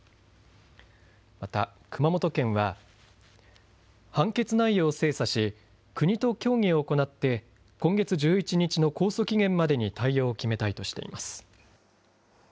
また、熊本県は判決内容を精査し国と協議を行って今月１１日の控訴期限までに対応を決めたいとしています。